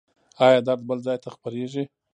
ایا درد بل ځای ته خپریږي؟